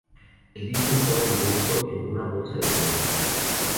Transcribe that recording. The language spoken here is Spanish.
El disco estaba envuelto en una bolsa de plástico.